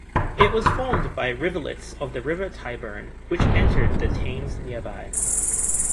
It was formed by rivulets of the River Tyburn, which entered the Thames nearby.